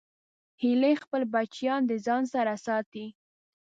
هیلۍ خپل بچیان د ځان سره ساتي